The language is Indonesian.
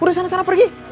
udah sana sana pergi